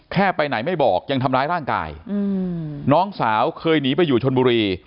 ไปไหนไม่บอกยังทำร้ายร่างกายน้องสาวเคยหนีไปอยู่ชนบุรี